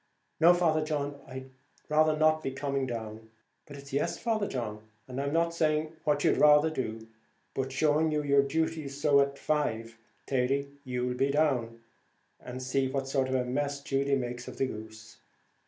"No, Father John, I'd rather not be coming down." "But it's yes, Father John, and I'm not saying what you'd rather do, but showing you your duty; so at five, Thady, you'll be down, and see what sort of a mess Judy makes of the goose."